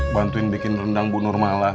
bantuin bikin rendang bu nurmala